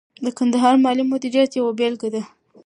د کندهار مالي مدیریت یوه بیلګه ده.